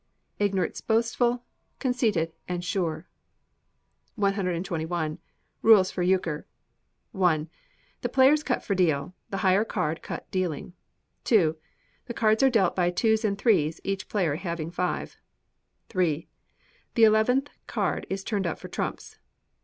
[IGNORANCE BOASTFUL, CONCEITED, AND SURE.] 121. Rules for Euchre. i. The players cut for deal; the higher card cut dealing. ii. The cards are dealt by twos and threes, each player having five. iii. The eleventh card is turned up for trumps.